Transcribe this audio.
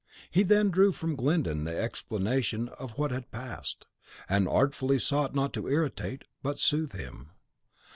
He then drew from Glyndon the explanation of what had passed, and artfully sought not to irritate, but soothe him.